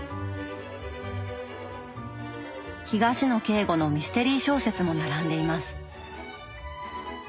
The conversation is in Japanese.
東野圭吾のミステリー小説も並んでいます。